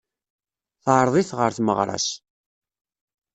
Teεreḍ-it ɣer tmeɣra-s.